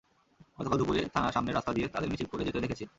গতকাল দুপুরে থানার সামনের রাস্তা দিয়ে তাঁদের মিছিল করে যেতে দেখেছি।